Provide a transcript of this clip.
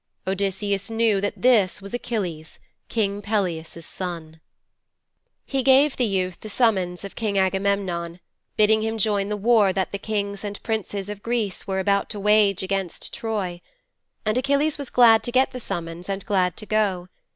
Odysseus knew that this was Achilles, King Peleus' son. 'He gave the youth the summons of King Agamemnon, bidding him join the war that the Kings and Princes of Greece were about to wage against Troy. And Achilles was glad to get the summons and glad to go.